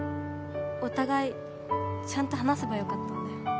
お互いちゃんと話せばよかったんだよ。